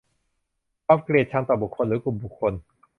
ความเกลียดชังต่อบุคคลหรือกลุ่มบุคคล